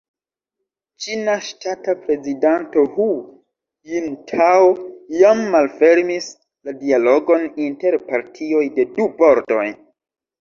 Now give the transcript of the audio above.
Ĉina ŝtata prezidanto Hu Jintao jam malfermis la dialogon inter partioj de du bordoj.